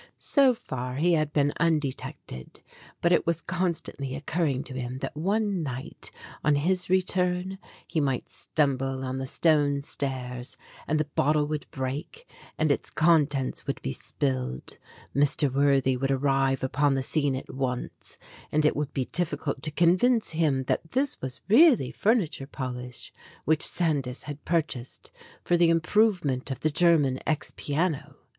So far he had been undetected, but it was constantly occurring to him that one night on his re turn he might stumble on the stone stairs, and the bottle would break, and its contents would be spilled; Mr. Worthy would arrive upon the scene at once, and it would be difficult to convince him that this was really furniture polish which Sandys had purchased for the improvement of the German ex piano.